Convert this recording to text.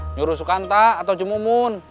nyuruh sukanta atau jumumun